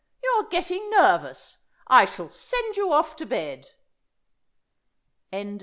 You are getting nervous. I shall send you off to bed."